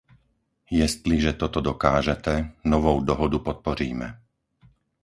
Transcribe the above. Jestliže toto dokážete, novou dohodu podpoříme.